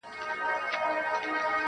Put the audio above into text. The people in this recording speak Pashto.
• ما د ورور په چاړه ورور دئ حلال كړى -